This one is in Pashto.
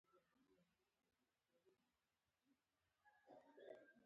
سیاسي استازي رپوټ ورکړ.